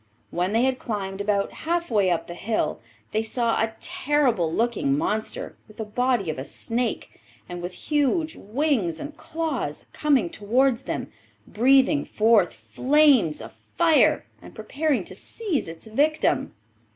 When they had climbed about half way up the hill they saw a terrible looking monster with the body of a snake, and with huge wings and claws, coming towards them, breathing forth flames of fire, and preparing to seize its victim.